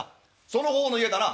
「その方の家だな？